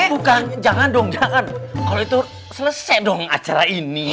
bukan jangan dong jangan kalau itu selesai dong acara ini